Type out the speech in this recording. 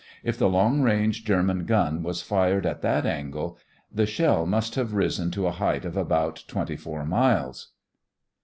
If the long range German gun was fired at that angle, the shell must have risen to a height of about twenty four miles.